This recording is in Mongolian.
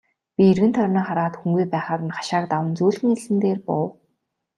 Би эргэн тойрноо хараад хүнгүй байхаар нь хашааг даван зөөлхөн элсэн дээр буув.